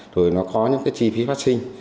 rồi nó có những cái chi phí phát sinh